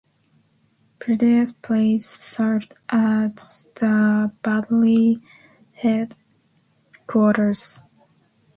Prideaux Place served as the Battery Headquarters.